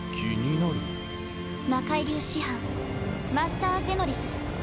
魔械流師範マスター・ゼノリス。